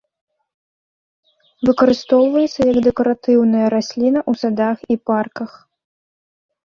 Выкарыстоўваецца як дэкаратыўная расліна ў садах і парках.